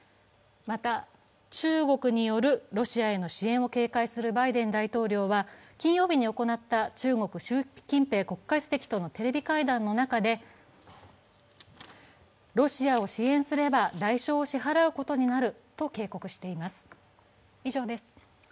また、中国によるロシアへの支援を警戒するバイデン大統領は金曜日に行った中国・習近平国家主席とのテレビ会談の中でロシアを支援すれば代償を支払うことになると警告しています。